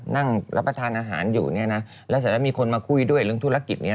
นั่งรับประทานอาหารอยู่เนี่ยนะแล้วเสร็จแล้วมีคนมาคุยด้วยเรื่องธุรกิจนี้